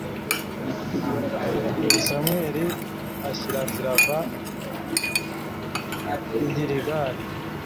samweli ashyiranzira ava i giligali